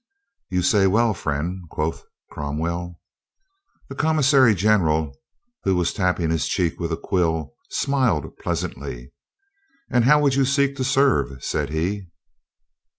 "You say well, friend," quoth Cromwell. The commissary general, who was tapping his cheek with a quill, smiled pleasantly. "And how would you seek to serve?" said he.